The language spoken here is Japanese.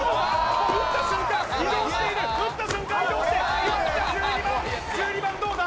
もう打った瞬間移動している打った瞬間移動して決まった１２番１２番どうだ？